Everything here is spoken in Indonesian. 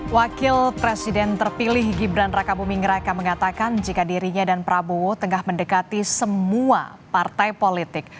wakil presiden terpilih gibran raka buming raka mengatakan jika dirinya dan prabowo tengah mendekati semua partai politik